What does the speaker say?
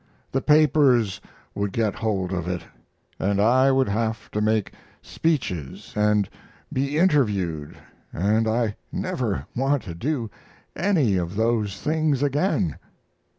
The papers would get hold of it, and I would have to make speeches and be interviewed, and I never want to do any of those things again."